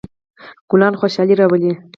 ګلان خوشحالي راولي.